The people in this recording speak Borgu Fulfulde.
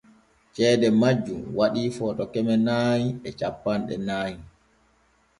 Ceede majjun waɗii Footo keme nay e cappanɗe nay.